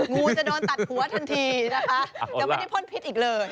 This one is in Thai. งูจะโดนตัดหัวทันทีนะคะจะไม่ได้พ่นพิษอีกเลย